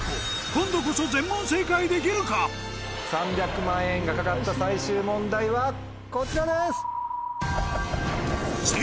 今度こそ３００万円が懸かった最終問題はこちらです！